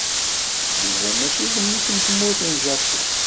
Yuba mačči d mmi-s n tmurt n Japu.